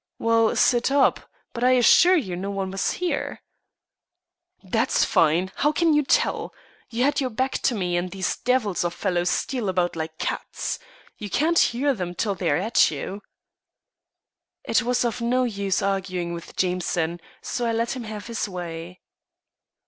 "Well, sit up. But I assure you no one has been here." "That's fine. How can you tell? You had your back to me, and these devils of fellows steal about like cats. You can't hear them till they are at you." It was of no use arguing with Jameson, so I let him have his way.